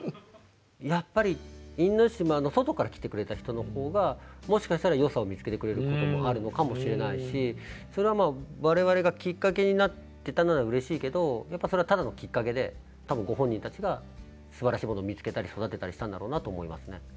やっぱり因島の外から来てくれた人の方がもしかしたら良さを見つけてくれることもあるのかもしれないしそれは我々がきっかけになってたならうれしいけどやっぱりそれはただのきっかけで多分ご本人たちがすばらしいものを見つけたり育てたりしたんだろうなと思いますね。